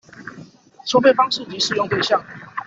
收費方式及適用對象